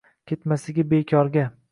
Ketmasligi bekorga